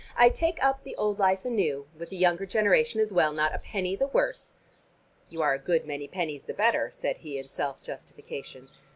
I take up the old life anew, with the younger generation as well, not a penny the worse." "You are a good many pennies the better," said he in self justification.